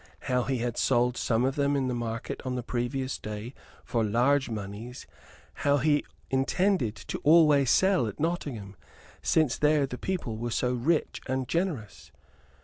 how he had sold some of them in the market on the previous day for large moneys; how he intended to always sell at Nottingham, since there the people were so rich and generous.